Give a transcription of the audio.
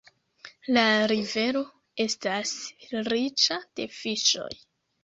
La rivero estas riĉa de fiŝoj.